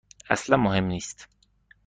اصلا مهم نیست.